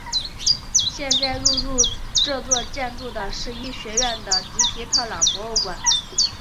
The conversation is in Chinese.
现在入驻这座建筑的是医学院的迪皮特朗博物馆。